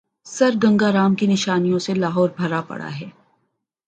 سرگنگا رام کی نشانیوں سے لاہور بھرا پڑا ہے۔